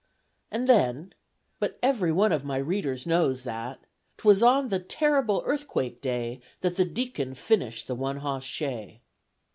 And then but every one of my readers knows that 'Twas on the terrible Earthquake Day That the Deacon finished the One Hoss Shay.